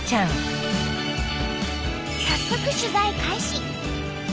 早速取材開始！